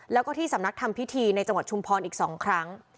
แล้วก็ที่สำนักทำพิธีในจังหวัดชุมพรอีก๒ครั้ง